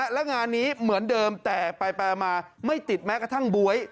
และงานนี้เหมือนเดิมแต่ไปมาไม่ติดแม้กระทั่งบ๊วย